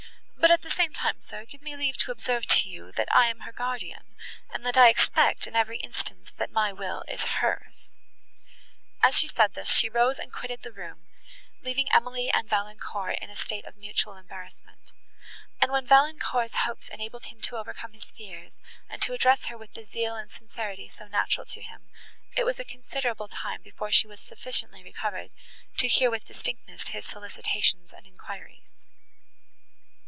But at the same time, sir, give me leave to observe to you, that I am her guardian, and that I expect, in every instance, that my will is hers." As she said this, she rose and quitted the room, leaving Emily and Valancourt in a state of mutual embarrassment; and, when Valancourt's hopes enabled him to overcome his fears, and to address her with the zeal and sincerity so natural to him, it was a considerable time before she was sufficiently recovered to hear with distinctness his solicitations and inquiries.